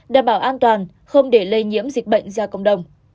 đảm bảo an toàn không để lây nhiễm dịch bệnh ra cộng đồng